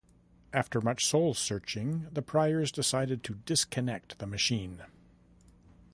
After much soul searching, the Pryors decide to disconnect the machine.